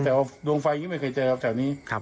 แต่ว่าดวงไฟยังไม่เคยเจอครับแถวนี้